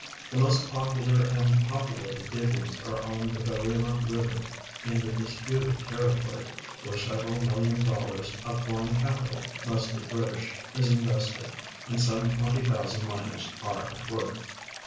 JJie most poi)ular and po])ulate<l diggings are on the Harima liver, in the disputed territory, Avhere several million dollars of foreign ca]tital, mostly British, is invested, and some twenty thousand miners are at AVork.